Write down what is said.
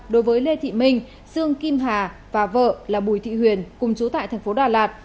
đối với lê thị minh sương kim hà và vợ là bùi thị huyền cùng chú tại tp đà lạt